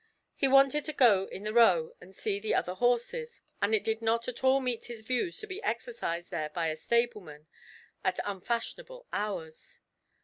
He wanted to go in the Row and see the other horses, and it did not at all meet his views to be exercised there by a stableman at unfashionable hours.